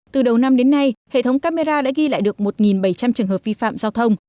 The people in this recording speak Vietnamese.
từ đầu năm đến nay hệ thống camera đã ghi lại được một bảy trăm linh trường hợp vi phạm giao thông